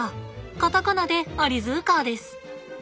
カタカナで「アリヅカ」です。